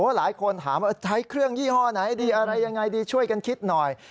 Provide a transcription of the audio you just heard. หลายคนถามว่าใช้เครื่องยี่ห้อไหนดีอะไรยังไงดีช่วยกันคิดหน่อย